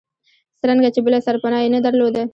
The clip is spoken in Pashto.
څرنګه چې بله سرپناه یې نه درلوده.